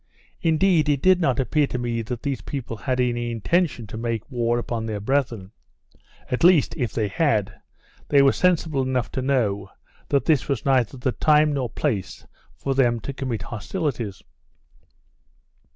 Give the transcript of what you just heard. Indeed, it did not appear to me that these people had any intention to make war upon their brethren. At least, if they had, they were sensible enough to know, that this was neither the time nor place for them to commit hostilities.